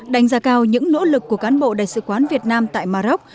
đánh giá cao những nỗ lực của cán bộ đại sứ quán việt nam tại maroc